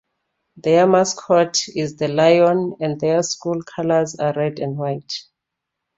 Their mascot is the Lion and their school colors are Red and White.